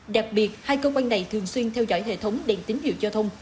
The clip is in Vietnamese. đặc biệt hai cơ quan này thường xuyên theo dõi hệ thống đèn tín hiệu giao thông